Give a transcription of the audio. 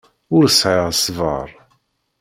Ur sɛiɣ ṣṣber.